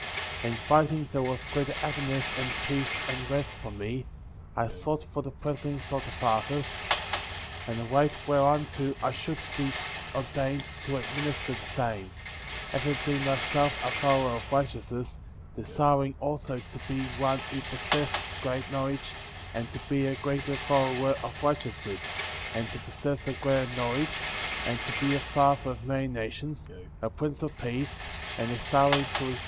And, finding there was greater happiness and peace and rest for me, I sought for the blessings of the fathers,^ and the right whereunto I should be ordained^ to administer the same; having been my self a follower of righteousness, desiring also to be one who possessed great knowledge, and to be a greater follower of righteousness, and to possess a greater knowledge, and to be a father of many na tions,^ a prince of peace, and desiring to receive a, verses 20, 29, 30; Genesis 11: 28.